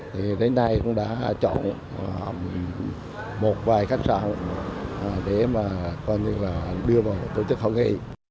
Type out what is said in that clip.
thì đến nay cũng đã chọn một vài khách sạn để mà coi như là đưa vào tổ chức hậu nghị